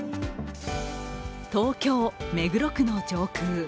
東京・目黒区の上空。